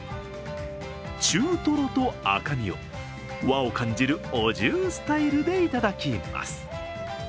中とろと赤身を、和を感じるお重スタイルでいただきます。